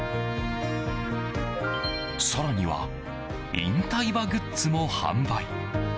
更には、引退馬グッズも販売。